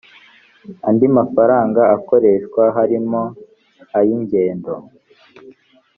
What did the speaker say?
andi mafaranga akoreshwa harimo ay ingendo